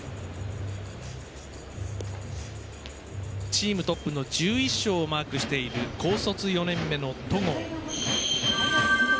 チームトップの１１勝をマークしている高卒４年目の戸郷。